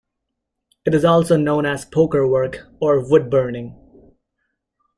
It is also known as pokerwork or wood burning.